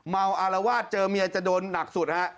อารวาสเจอเมียจะโดนหนักสุดฮะ